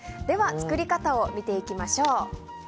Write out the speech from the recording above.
では、作り方を見ていきましょう。